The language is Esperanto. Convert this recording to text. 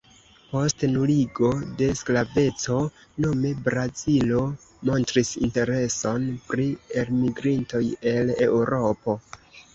Post nuligo de sklaveco nome Brazilo montris intereson pri elmigrintoj el Eŭropo.